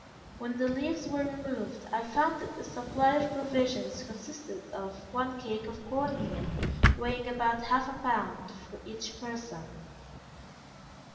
When the leaves were removed, I found that the supply of provisions consisted of one cake of corn meal, weighing about half a pound, for each person.